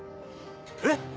えっ？